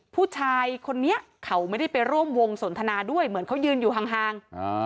ผู้ชายคนนี้เขาไม่ได้ไปร่วมวงสนทนาด้วยเหมือนเขายืนอยู่ห่าง